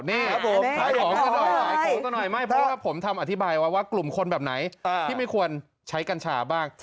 นี่ขอขอตัวหน่อยไม่เพราะว่าผมทำอธิบายว่ากลุ่มคนแบบไหนที่ไม่ควรใช้กัญชาบ้าง